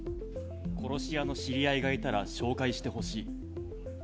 殺し屋の知り合いがいたら紹介してほしい。